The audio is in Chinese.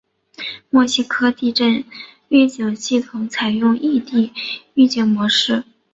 墨西哥地震预警系统采用异地预警模式。